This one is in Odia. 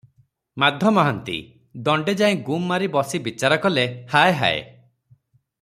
ମାଧ ମହାନ୍ତି- ଦଣ୍ଡେଯାଏଁ ଗୁମ ମାରି ବସି ବିଚାର କଲେ- ହାୟ ହାୟ!